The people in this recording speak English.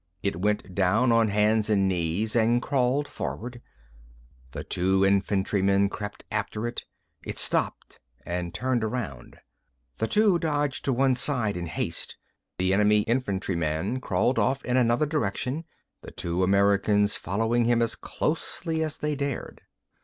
It went down on hands and knees and crawled forward. The two infantrymen crept after it. It stopped, and turned around. The two dodged to one side in haste. The enemy infantryman crawled off in another direction, the two Americans following him as closely as they dared.